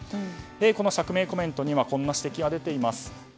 この釈明コメントにはこんな指摘も出ています。